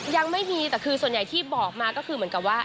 ยังไม่มีแต่คือส่วนใหญ่ที่บอกมาก็คือเหมือนกับว่า